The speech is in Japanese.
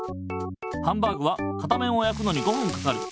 ハンバーグは片面をやくのに５ふんかかる。